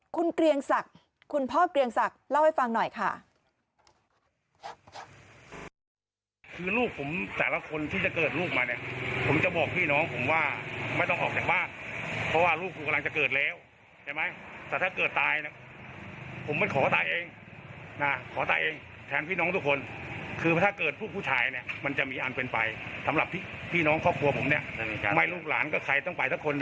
คุณเกรียงศักดิ์คุณพ่อเกรียงศักดิ์เล่าให้ฟังหน่อยค่ะ